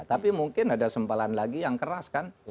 tapi mungkin ada sempalan lagi yang keras kan